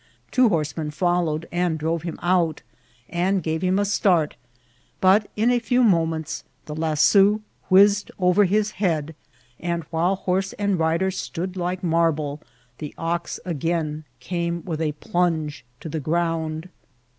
Two horsemen foUowed and drove him out, and gave him a start, but in a few moments the lazo whizzed over his head, and| while horse and rider stood like marble, the ox again came with a plunge to the ground.